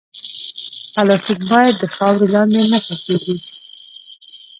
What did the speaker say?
پلاستيک باید د خاورې لاندې نه ښخېږي.